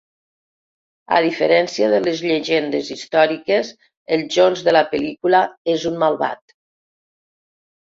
A diferència de les llegendes històriques, el Jones de la pel·lícula és un malvat.